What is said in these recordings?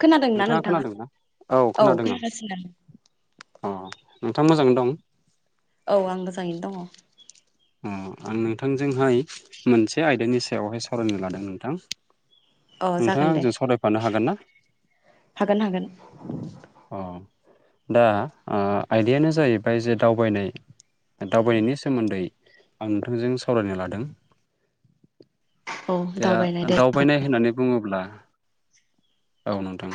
खोनादोंनाा नोंथाङा खोनादोंना? औ खोनादों आं खोनागासिनो। नोंथाङा मोजांयैनो दं? औ आं मोजाङैनो दङ। अ आं नोंथांजोंहाय मोनसे आयदानि सायावहाय सावरायनो लादों नोंथां। औ नोंथाङा जागोन दे आंजों सावराय फानो हागोन ना हागोन हागोन औ। दा ओ आयदायानो जाहैबाय जे दावबायनाय दावबायनायनि सोमोन्दै आं नोंथांजों सावरायनो लादों। औ दावबायनाय दे जागोन दावबायनाय होननानै बुङोब्ला औ नोंथां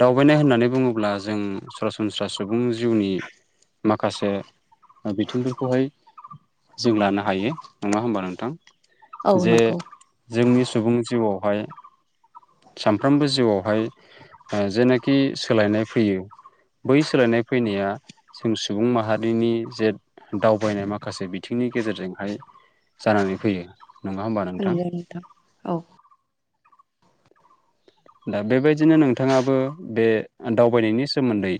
दावबायनाय होननानै बुङोब्ला जों सरासनस्रा सुबुं जिउनि माखासे बिथिंफोरखौहाय जों लानो हायो नङा होमबा नोंथां। औ जे नांगौ। जोंनि सुबुं जिउआवहाय सानफ्रोमबो जिउआवहाय जेनोखि सोलायनाय फैयो बै सोलायनाय फैनाया जों सुबुं माहारिनि जे दावबायनाय माखासे बिथिंनि गेजेरजोंहाय जानानै फैयो। नङा होमबा नोंथां। औ। दा बेबायदिनो नोंथाङाबो बे दावबायनायनि सोमोन्दै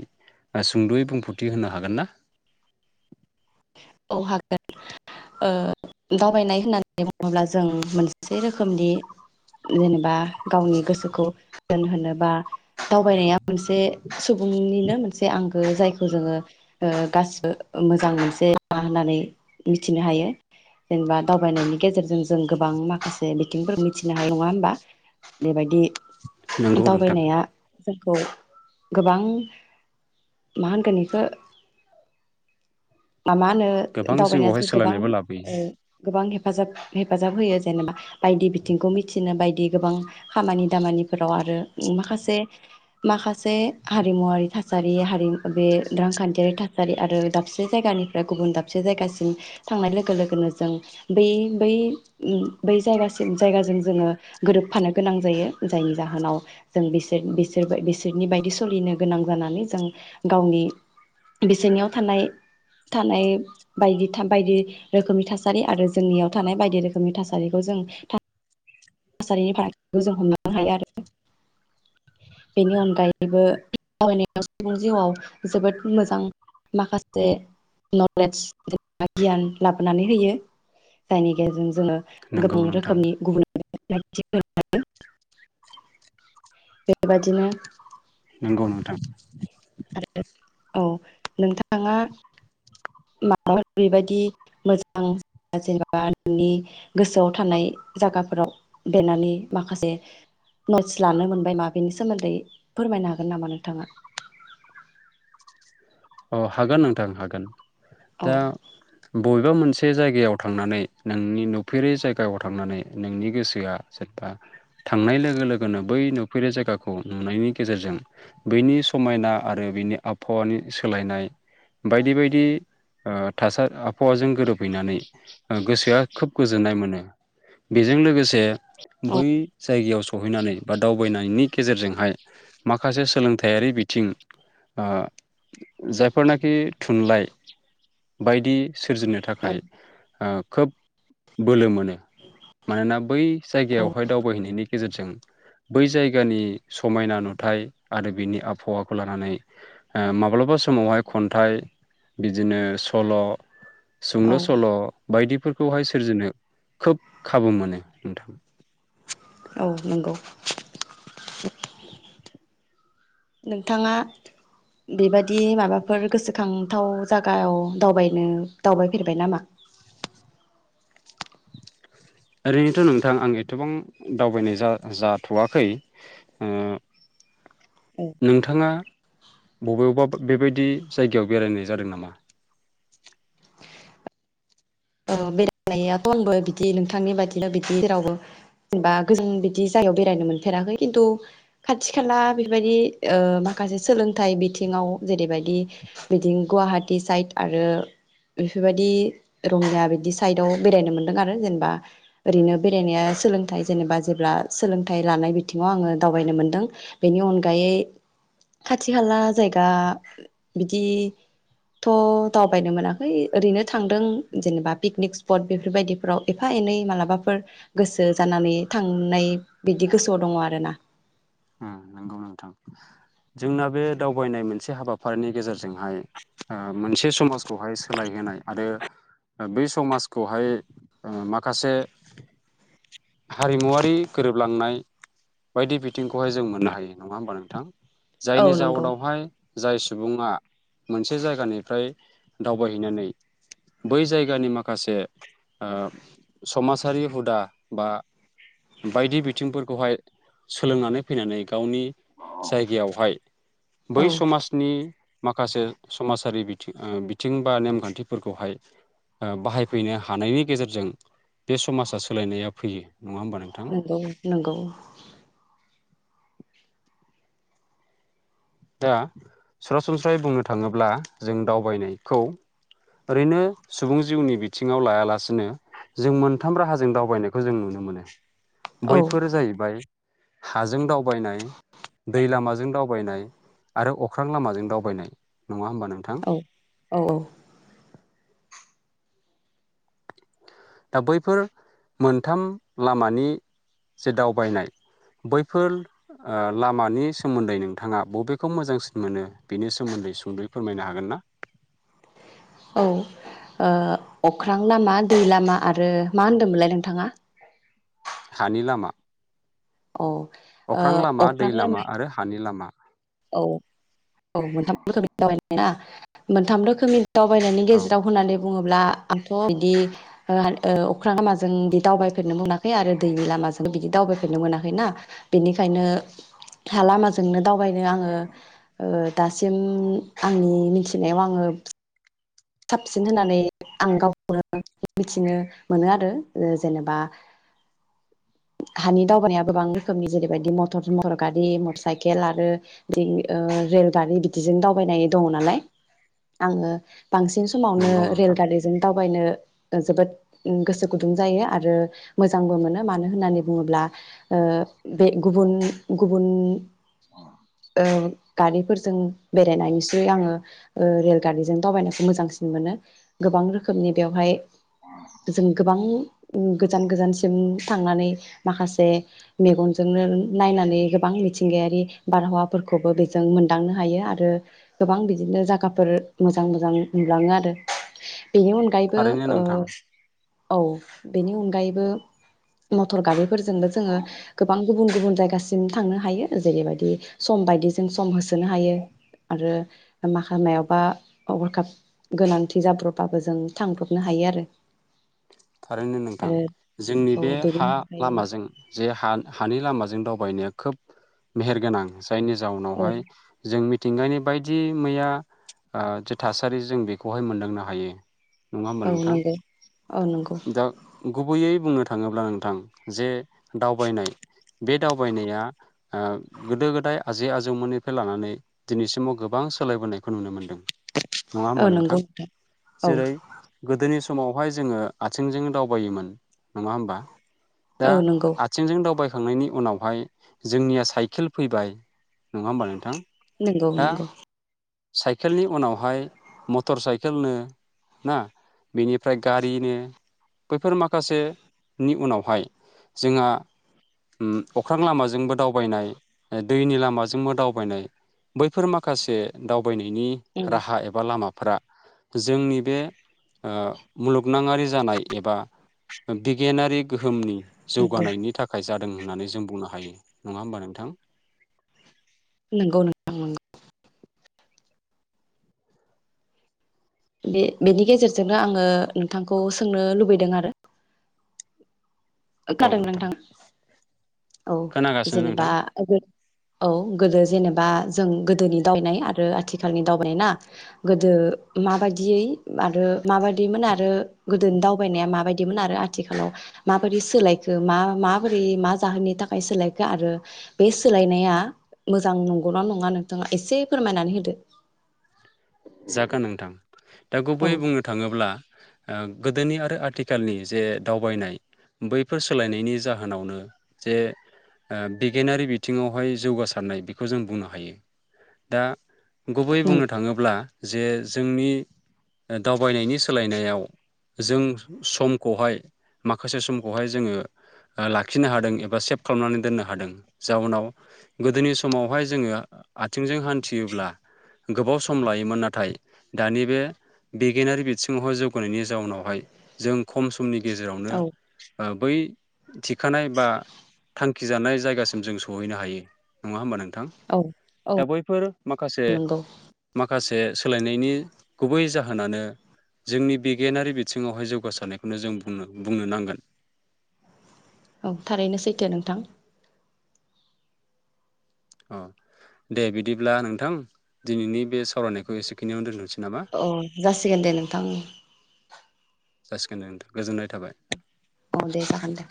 सुंद'यै बुंफोरथि होनो हागोन ना? औ हागोन दावबायनाय होननानै बुङोब्ला जों मोनसे रोखोमनि जेनेबा गावनि गोसोखौ दोनहोनो बा दावबायनाया मोनसे सुबुंनिनो मोनसे से आंगो जायखौ जोङो ओ गासिबो मोजां मोनसे [unintelligible] होनानै मिथिनो हायो जेनबा दावबायनायनि गेजेरजों जों गोबां माखासे बिथिंफोर मिथिनो हायो नङा होमबा बेबायदि नंगौ नोंथां दावबायनाया जोंखौ गोबां मा होनगोन बेखो मा मा होनो गोबां दावबायाथ' जिउआवहाय गोबां सोलायनायबो लाबोयो ओ गोबां हेफाजाब हेफाजाब होयो जेनेबा बायदि बिथिंखौ मिथिनो बायदि गोबां खामानि दामानिफोराव आरो माखासे माखासे हारिमुवारि थासारि हारि बे रांखान्थियारि थासारि आरो दाबसे जायगानि फ्राय गुबुन दाबसे जायगासिम थांनाय लोगो लोगोनो जों बै बै बै जायगासिम जायगाजों जोङो गोरोबफानो गोनां जायो जायनि जाहोनाव जों बिसोर-बिसोर-बिसोरनि बायदि सलिनो गोनां जानानै जों गावनि बिसोरनियाव थानाय थानाय बायदि बायदि रोखोमनि थासारि आरो जोंनियाव थानाय बायदि रोखोमनि थासारिखौ जों थासारिनि फारागथिखौ जों हमनो हायो आरो बेनि अनगायैबो [unintelligible] सुबुं जिउआव जोबोद मोजां माखासे नले गियान लाबोनानै होयो जायनि गेजेरजों जोङो नंगौ गोबां नोंथां रोखोमनि गुबुन [unintelligible] नंगौ नोंथां। [inaudible] आरो औ नोंथांङा [unintelligible] बेबायदि मोजां [unintelligible] गोसोआव थानाय जागाफोराव देरनानै माखासे नस लानो मोनबाय मा बेनि सोमोन्दै फोरमायनो हागोन नामा नोंथाङा? अ हागोन नोंथां हागोन। औ दा बबेबा मोनसे बे जायगायाव थांनानै नोंनि नुफेरै जायगायाव थांनानै नोंनि गोसोआ जेनबा थांनाय लोगो लोगोनो बै नुफेरै जायगाखौ नुनायनि गेजेरजों बैनि समायना आरो बेनि आबहावानि सोलायनाय बायदि बायदि ओ थासारि आबहावाजों गोरोबहैनानै गोसोआ खोब गोजोननाय मोनो बेजों लोगोसे औ बै जायगायाव सहैनानै बा दावबायनायनि गेजेरजोंहाय माखासे सोलोंथायारि बिथिं ओ जायफोरनाखि थुनलाइ बायदि सोरजिनो थाखाय ओ खोब बोलो मोनो मानोना बै औ जायगायावहाय दावबायहैनायनि गेजेरजों बै जायगानि समायना नुथाय आरो बिनि आबहावाखौ लानानै ओ माब्लाब बेबा समावहाय खन्थाइ बिदिनो सल' औ सुंद' सल' बायदिफोरखौहाय सोरजिनो खोब खाबु मोनो नोंथां। औ नंगौ नोंथाङा बेबादि माबाफोर गोसोखांथाव जागाव दावबायनो दावबायफेरबाय नामा? ओरैनोथ' नोंथां आं एथबां दावबायनाय जाथ'वाखै औ नोंथाङा बबेबा बेबायदि जायगायाव बेरायनाय जादों नामा? ओ बेरायनायाथ' आंबो बिदि नोंथांनि बादिनो बिदि जेरावबो जेनेबा गोजों बिदि जायगायाव बेरायनो मोनफेराखै खिन्थु खाथि खाला बेफोरबायदि ओ माखासे सोलोंथाइ बिथिङाव जेरैबायदि बिदि गुवाहाटि साइड आरो बेफोरबायदि रंगा बिदि साइडआव बेरायनो मोनदों आरो जेनेबा ओरैनो बेरायनाया सोलोंथाइ जेनेबा जेब्ला सोलोंथाइ लानाय बिथिङाव आङो दावबायनो मोनदों बेनि अनगायै खाथि खाला जायगा बिदिथ' दावबायनो मोनाखै ओरैनो थांदों। जेनेबा पिकनिक स्पट बेफोरबायदिफोराव एफा एनै मालाबाफोर गोसो जानानै थांनाय बिदि गोसोआव दङ आर ना आ नंगौ नोंथां जोंना बे दावबायनाय मोनसे हाबा फोरिनि गेजेरजोंहाय मोनसे समाजखौहाय सोलायहोनाय आरो बै समाजखौहाय ओ माखासे हारिमुवारि गोरोबलांनाय बायदि बिथ बिथिंखौहाय जों मोननो हायो नङा होमबा नोंथां। औ जायनि नंगौ जाउनावहाय जाय सुबुङा मोनसे जायगानिफ्राय दावबायहैनानै बै जायगानि माखासे ओ समाजारि हुदा बा बायदि बिथिंफोरखौहाय सोलोंनानै फैनानै गावनि जायगायावहाय बै औ समाजनि माखासे समाजारि बिथिं ओ बिथिं बा नेमखान्थिफोरखौहाय ओ बाहायफैनो हानायनि गेजेरजों बे समाजा सोलायनाया फैयो नङा होमबा नोंथां नंगौ नंगौ। दा सरासनस्रायै बुंनो थाङोब्ला जों दावबायनायखौ ओरैनो सुबुं जिउनि बिथिङाव लायालासिनो जों मोनथाम राहाजों दावबायनायखौ जों नुनो मोनो। औ बैफोर जाहैबाय हाजों दावबायनाय दै लामाजों दावबायनाय। आरो अख्रां लामाजों दावबायनाय नङा होमबा नोंथां औ औ दा बैफोर मोनथाम लामानि जे दावबायनाय बैफोर ओ लामानि सोमोन्दै नोंथाङा बबेखौ मोजांसिन मोनो बिनि सोमोन्दै सुंद'यै फोरमायनो हागोन ना? औ ओ अख्रां लामा दै लामा आरो मा होनदोंमोनलाय नोंथाङा। हानि लामा औ ओ अख्रां लामा दै अख्रां लामा आरो हानि लामा। औ औ मोनथाम रोखोमनि लामा थायोना मोनथाम रोखोमनि दावबायनायनि औ गेजेराव होननानै बुङोब्ला आंथ' बिदि ओ अख्रां लामाजों बि दावबायफेरनो मोनाखै आरो दैनि लामाजों बिदि दावबायफेरनो मोनाखैना बिनिखायनो हा लामाजोंनो दावबाय खायनो आङो ओ दासिम आंनि मिथिनायाव आङो। साबसिन होननानै आं गावखौनो मिथिनो मोनो आरो ओ जेनेबा हानि दावबायनाया गोबां रोखोमनि जेरैबायदि मथर मटर गारि मटर साइकेल आरो बि रेलगारि बिदिजों दावबायनाय दङ नालाय आङो। बांसिन समावनो नंगौ नोंथां रेलगारिजों दाव दावबाय ओ नो जोबोद गोसो गुदुं जायो आरो मोजांबो मोनो मानो होननानै बुङोब्ला ओबे गुबुन गुबुन अ ओ गारिफोरजों बेरायनानैसो आङो ओ रेल गारिजों दावबायनाय मोजांसिन मोनो गोबां रोखोमनि बेवहाय जों गोबां ओ गोजान गोजानसिम थांनानै माखासे मेगनजोंनो नायनानै गोबां मिथिंगायारि बारहावाफोरखौबो बेजों मोनदांनो हायो आरो गोबां बिदिनो जागाफोर मोजां मोजां नुलाङो आरो बेनि अनगायैबो थारैनो ओ नोंथां औ बेनि अनगायैबो मटर गारि फोरजोंनो जोङो गोबां गुबुन गुबुन जायगासिम थांनो हायो जेरैबायदि सम बायदि जों सम होसोनो हायो आरो माखा मायावबा हरखाब गोनांथि जाब्र'बाबो जों थांब्रबनो हायो आरो थारैनो नोंथां आरो जोंनि औ बे बेनि हा अनगायै लामाजों जे हा-हानि लामाजों दावबायनाया खोब मेहेरगोनां जायनि औ जाउनावहाय जों मि थिंगायानि बायदि मैया ओ जे थासारि जों बेखौहाय मोनदांनो हायो नङा होमबा औ नोंथां नंगौ औ नंगौ बैयै बुंनो थाङोब्ला नोंथां जे दावबायनाय बे दावबायनाया ओ गोदो गोदाय आजै आजौमोननिफ्राय लानानै दिनैसिमाव गोबां सोलायबोनायखौ नुनो मोन्दों नङा होमबा औ नोंथां नंगौ औ जेरै गोदोनि स मावहाय जोङो आथिंजों दावबायोमोन नङा होमबा दा औ नंगौ आथिंजों दावबाय थांनायनि उनावहाय जोंनिया साइकेल फैबाय नङा होमबा नोंथां नंगौ दा नंगौ साइकेलनि उनावहाय मटर साइकेल नो ना बेनिफ्राय गारिनो बैफोर माखासेनि उनावहाय जोंहा उम अख्रां लामाजोंबो दावबायनाय दैनि लामाजोंबो दावबायनाय बैफोर माखासे दाउ बायनायनि उम राहा एबा लामा फ्रा जोंनि बे ओ मुलुगनाङारि जानाय एबा बिगियानारि गोहोमनि नंगौ जौगानायनि थाखाय जादों होननानै जों बुंनो हायो नङा होमबा नोंथां नंगौ नोंथां नंगौ बे बेनि गेजेरजोंनो आङो नोंथांखौ सोंनो लुबैदों आरो खोनादोंना नोंथां औ खोनागासिनो जेनेबा नोंथां गो औ गोदो जेनेबा जों गोदोनि दावबायनाय आरो आथिखालनि दावबायनाय ना गोदो माबायदियै आरो माबायदिमोन आरो गोदोनि दावबायनाया माबायदिमोन आरो आथिखालाव मा बोरै सोलायखो मा मा माबोरै मा जाहोननि थाखाय सोलायखो आरो बे सोलायनाया मोजां नंगौ नङा नोंथाङा एसे फोरमायनानै होदो जागोन नोंथां दा औ गुबैयै बुंनो थाङोब्ला ओ गोदोनि आरो आथिखालनि जे दावबायनाय बैफोर सोलायनायनि जाहोनावनो जे ओ बिगियानारि बिथिङावहाय जौगासारनाय बेखौ जों बुंनो हायो दा गुबै नों बुंनो थाङोब्ला बे जोंनि दावबायनायनि सोलायनायाव जों समखौहाय माखासे समखौहाय जोङो ओ लाखिनो हादों एबा सेभ खालामनानै दोननो हादों जाउनाव गोदोनि समावहाय जोङो आथिंजों हान्थियोब्ला गोबाव सम लायोमोन नाथ थाय दानि बे बिगियानारि बिथिङावहाय जौगानायनि जाउनावहाय जों खम स मनि गेजेरावनो औ ओ बै थिखानाय बा थां। खिजानाय जायगासिम जों सहैनो हायो नङा होमबा नोंथां। औ औ दा बैफोर माखासे नंगौ माखासे। जे सोलायनायनि गुबै जाहोनानो जोंनि बिगियानारि बिथिङावहाय जौगासारनायखौनो जोंनो बुंनो नांगोन। औ थारैनो सैथो नोंथां। अ दे बिदिब्ला नोंथां दिनैनि बे सावरायनायखौ एसेखिनियावनो दोनथनोसै। नामा अ जासिगोन दे नोंथां। जासिगोन दे नोंथां गोजोननाय थाबाय। अ दे जागोन दे।